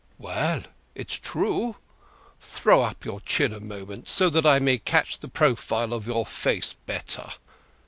"Well it's true. Throw up your chin a moment, so that I may catch the profile of your face better.